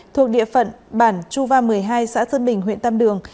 thuộc địa phận bản chuva một mươi hai xã sơn bình huyện tam đường